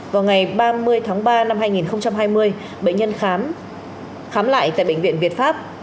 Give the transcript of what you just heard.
vào ngày ba mươi tháng ba năm hai nghìn hai mươi bệnh nhân khám lại tại bệnh viện việt pháp